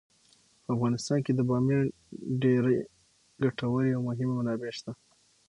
په افغانستان کې د بامیان ډیرې ګټورې او مهمې منابع شته.